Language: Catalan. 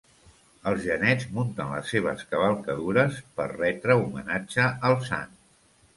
Els genets munten les seves cavalcadures per retre homenatge al sant.